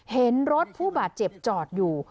เห็นรถผู้บาดเจ็บจอดอยู่